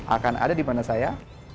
akan ada di mana saya